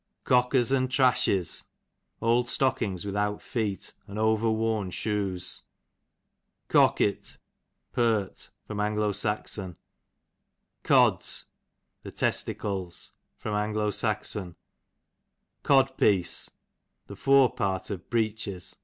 Cockers, and trashes, old stock ings without feet, and over worn shoes. Cocket, pert. A. S. Cods, the testicles. A. S. Cod piece, the fore part of bree ches.